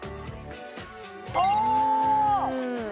ああ